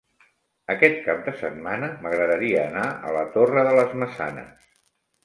Aquest cap de setmana m'agradaria anar a la Torre de les Maçanes.